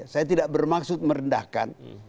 saya tidak bermaksud merendahkan